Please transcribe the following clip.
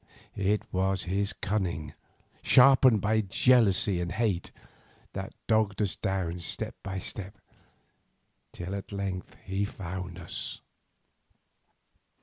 It was his cunning, sharpened by jealousy and hate, that dogged us down step by step till at length he found us.